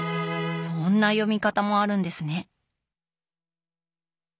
そんな読み方もあるんですね。